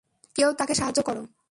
কেউ তাকে সাহায্য করো!